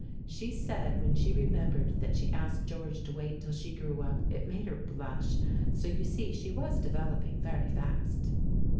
She said when she remembered that she asked George to wait till she grew up it made her blush, so you see she was developing very fast.